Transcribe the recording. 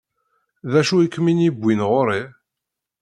D acu i kem-id-yewwin ɣur-i?